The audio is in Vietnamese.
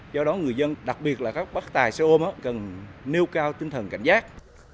do đó người dân đặc biệt là các bác tài xe ôm cần nêu cao tinh thần cảnh giác